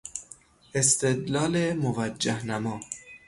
استدلال موجه نما